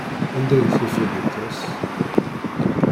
Anda i tufeg i tres.